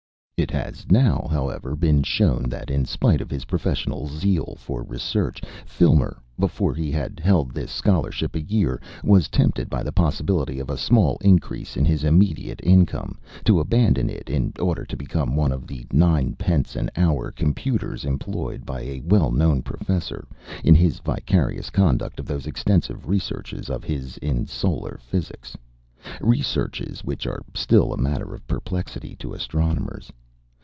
It has now, however, been shown that in spite of his professed zeal for research, Filmer, before he had held this scholarship a year, was tempted, by the possibility of a small increase in his immediate income, to abandon it in order to become one of the nine pence an hour computers employed by a well known Professor in his vicarious conduct of those extensive researches of his in solar physics researches which are still a matter of perplexity to astronomers.